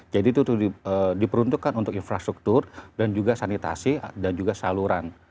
jadi itu diperuntukkan untuk infrastruktur dan juga sanitasi dan juga saluran